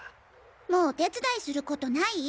もうお手伝いすることない？